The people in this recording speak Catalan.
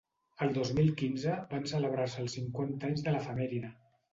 El dos mil quinze van celebrar-se els cinquanta anys de l’efemèride.